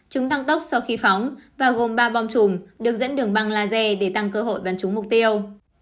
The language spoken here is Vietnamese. chúng tăng tốc sau khi phóng và gồm ba bom chùm được dẫn đường băng laser để tăng cơ hội bắn trúng mục tiêu